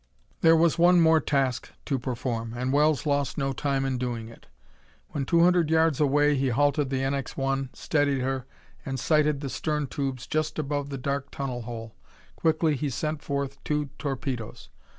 There was one more task to perform, and Wells lost no time in doing it. When two hundred yards away he halted the NX 1, steadied her and sighted the stern tubes just above the dark tunnel hole. Quickly he sent forth two torpedoes.